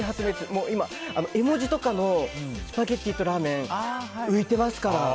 絵文字とかのスパゲティとラーメン浮いてますから。